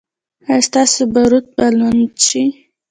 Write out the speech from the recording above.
ایا ستاسو باروت به لوند شي؟